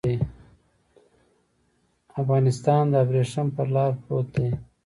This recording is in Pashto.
افغانستان د ابريښم پر لار پروت دی.